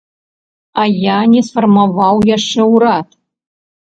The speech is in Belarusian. А я не сфарміраваў яшчэ ўрад.